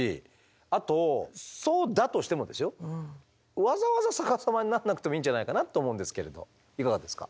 あとそうだとしてもですよわざわざ逆さまにならなくてもいいんじゃないかなと思うんですけれどいかがですか？